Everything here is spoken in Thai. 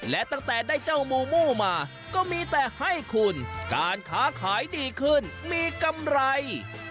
และตั้งแต่ได้เจ้ามูมูมาก็มีแต่ให้คุณการค้าขายดีขึ้นมีกำไร